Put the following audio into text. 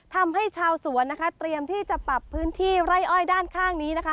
ทำให้ชาวสวนนะคะเตรียมที่จะปรับพื้นที่ไร่อ้อยด้านข้างนี้นะคะ